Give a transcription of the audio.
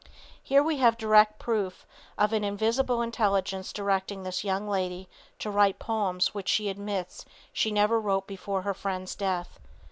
Here we have direct proof of an invisible intelligence directing this young lady to write poems which she admits she never wrote before her friend's death.